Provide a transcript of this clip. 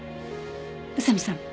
宇佐見さん